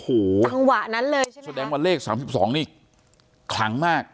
โอ้โหจังหวะนั้นเลยใช่ไหมแสดงว่าเลขสามสิบสองนี่คลังมาก